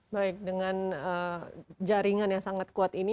baik dengan jaringan yang sangat kuat ini